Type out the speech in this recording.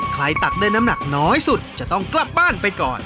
ตักได้น้ำหนักน้อยสุดจะต้องกลับบ้านไปก่อน